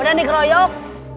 kau ada di keroyok